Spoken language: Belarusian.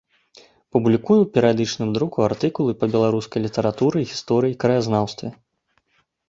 Публікуе ў перыядычным друку артыкулы па беларускай літаратуры, гісторыі, краязнаўстве.